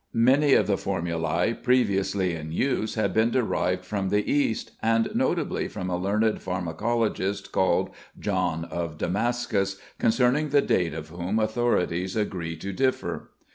Many of the formulæ previously in use had been derived from the East, and notably from a learned pharmacologist called John of Damascus, concerning the date of whom authorities agree to differ.